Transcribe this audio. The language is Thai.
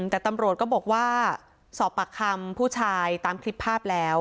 แต่ตำรวจก็บอกว่าสอบปากคำผู้ชายตามคลิปภาพแล้ว